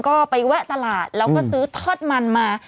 ก็ไปแวะตลาดแล้วก็ซื้อทอดมันมา